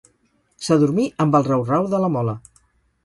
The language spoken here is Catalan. S'adormí amb el rau-rau de la mola.